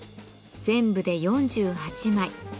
全部で４８枚